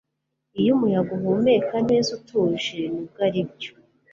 Iyo umuyaga uhumeka neza utuje nubwo aribyo